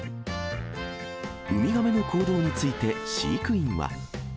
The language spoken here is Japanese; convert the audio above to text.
ウミガメの行動について、飼育員は。